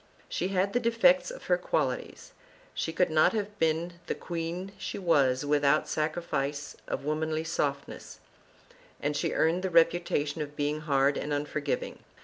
She had the defects of her quali ties. She could not have been the queen she was without sacri fice of womanly softness, and she earned the reputation of being hard and unforgiving.